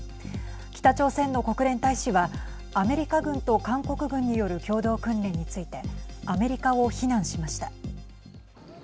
北朝鮮の国連大使はアメリカ軍と韓国軍による共同訓練についてアメリカを非難しました。